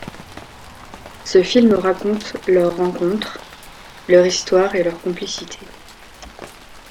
Ce film raconte leur rencontre, leur histoire et leur complicité.